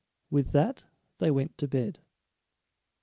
With that they went to bed.